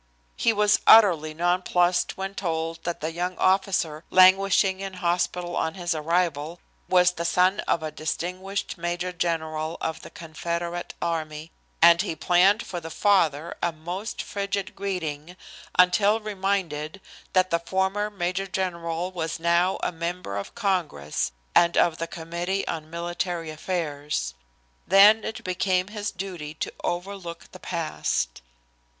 He was utterly nonplussed when told that the young officer, languishing in hospital on his arrival, was the son of a distinguished major general of the Confederate Army, and he planned for the father a most frigid greeting, until reminded that the former major general was now a member of Congress and of the committee on military affairs. Then it became his duty to overlook the past.